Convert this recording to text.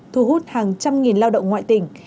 thu hút hàng trăm nghìn lao động ngoại tỉnh